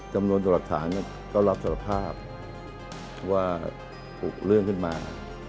จำนวนตัวหลักฐานก็รับสารภาพว่าถูกเรื่องขึ้นมา